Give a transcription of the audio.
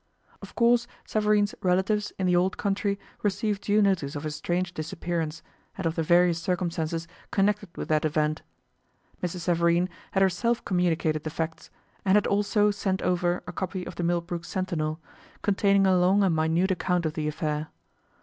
Of course Savareen's relatives in the old country received due notice of his strange disappearance, and of the various circumstances connected with that event. Mrs. Savareen had herself communicated the facts, and had also sent over a copy of the Millbrook Sentinel, containing a long and minute account of the affair.